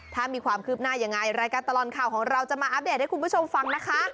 ถ้ามีความคืบหน้ายังไงรายการตลอดข่าวของเราจะมาอัปเดตให้คุณผู้ชมฟังนะคะ